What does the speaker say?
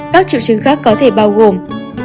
các triệu chứng khác có thể bao gồm